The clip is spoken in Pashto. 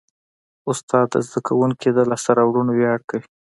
استاد د زده کوونکي د لاسته راوړنو ویاړ کوي.